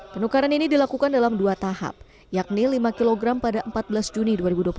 penukaran ini dilakukan dalam dua tahap yakni lima kg pada empat belas juni dua ribu dua puluh satu